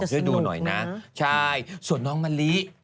งั้นจะสนุกนะช่ายส่วนน้องมะรี